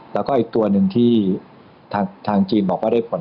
แล้วก็อีกตัวหนึ่งที่ทางจีนบอกว่าได้ผล